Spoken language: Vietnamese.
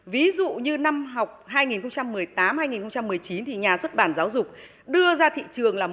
ví dụ như năm học hai nghìn một mươi tám hai nghìn một mươi chín thì nhà xuất bản giáo dục đưa ra thị trường là